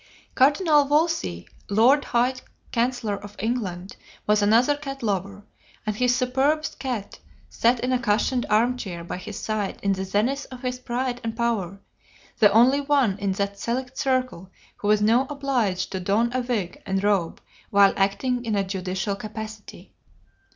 Cardinal Wolsey, Lord High Chancellor of England, was another cat lover, and his superb cat sat in a cushioned arm chair by his side in the zenith of his pride and power, the only one in that select circle who was not obliged to don a wig and robe while acting in a judicial capacity.